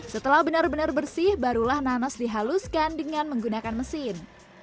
setelah benar benar bersih barulah nanas dihaluskan dengan menggunakan mesin